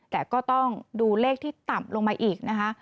แต่ก็ต้องดูเลขที่ต่ำลงมาอีกนะคะ